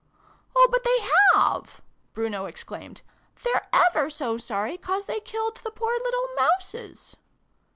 " Oh, but they have !" Bruno exclaimed. "They're ever so sorry, 'cause they killed the poor little Mouses